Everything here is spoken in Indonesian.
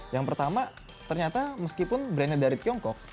yang pertama ternyata meskipun brandnya dari tiongkok